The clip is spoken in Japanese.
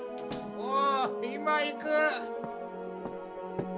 お今行く。